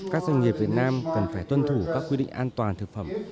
các doanh nghiệp việt nam cần phải tuân thủ các quy định an toàn thực phẩm